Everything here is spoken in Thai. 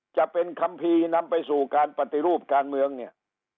จะเป็นคัมภีร์นำไปสู่การปฏิรูปการเมืองเนี่ย